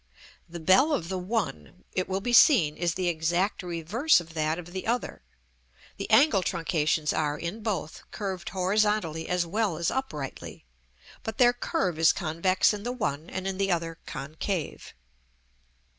The bell of the one, it will be seen, is the exact reverse of that of the other: the angle truncations are, in both, curved horizontally as well as uprightly; but their curve is convex in the one, and in the other concave.